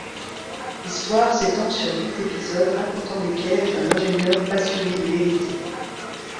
L'histoire s'étend sur huit épisodes racontant les pièges d'un ingénieur passionné de vérité.